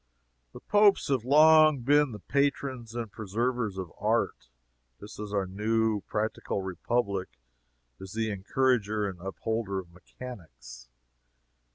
The Popes have long been the patrons and preservers of art, just as our new, practical Republic is the encourager and upholder of mechanics.